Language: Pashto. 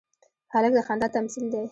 هلک د خندا تمثیل دی.